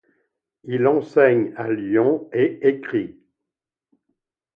Il enseigne à Lyon et écrit.